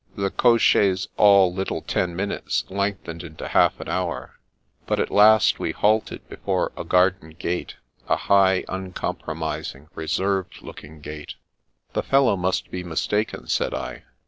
The cocker's all little ten minutes length ened into half an hour, but at last we halted before a garden gate — a high, uncompromising, reserved looking gate. " The fellow must be mistaken," said I.